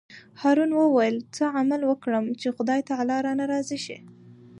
هارون وویل: څه عمل وکړم چې خدای تعالی رانه راضي شي.